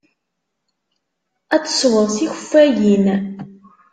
Ad tesweḍ tikeffayin.